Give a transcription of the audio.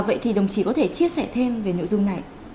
vậy thì đồng chí có thể chia sẻ thêm về nội dung này